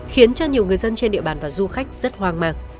khiến cho nhiều người dân trên địa bàn và du khách rất hoang mang